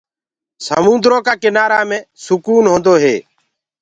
سموندرو ڪآ ڪِنآرآ مي سُڪون هوندو هي۔